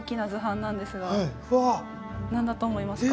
何だと思いますか？